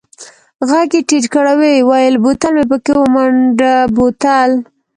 ږغ يې ټيټ کړ ويې ويل بوتل مې پکښې ومنډه بوتل.